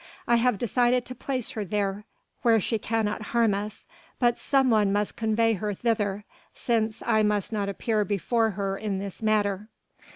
I have decided to place her there where she cannot harm us, but some one must convey her thither, since I must not appear before her in this matter.